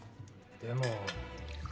でも。